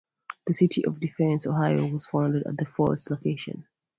The city of Defiance, Ohio, was founded at the fort's location.